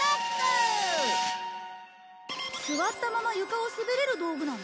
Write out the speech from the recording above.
座ったまま床を滑れる道具なの？